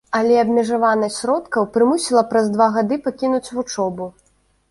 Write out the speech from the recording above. Але абмежаванасць сродкаў прымусіла праз два гады пакінуць вучобу.